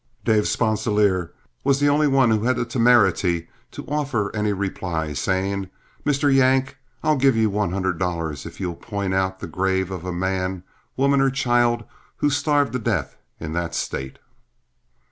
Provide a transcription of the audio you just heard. Dave Sponsilier was the only one who had the temerity to offer any reply, saying, "Mr. Yank, I'll give you one hundred dollars if you'll point me out the grave of a man, woman, or child who starved to death in that state."